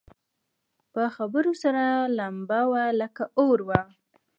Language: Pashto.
په خبرو سره لمبه وه لکه اور وه